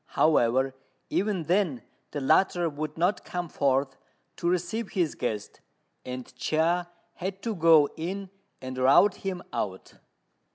However, even then the latter would not come forth to receive his guest, and Chia had to go in and rout him out.